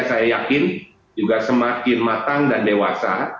saya yakin juga semakin matang dan dewasa